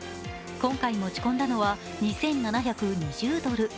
今回持ち込んだのは２７２０ドル。